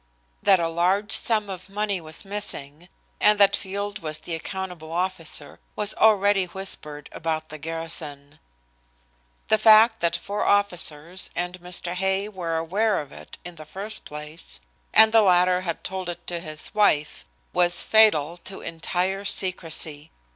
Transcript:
That a large sum of money was missing, and that Field was the accountable officer, was already whispered about the garrison. The fact that four officers and Mr. Hay were aware of it in the first place, and the latter had told it to his wife, was fatal to entire secrecy.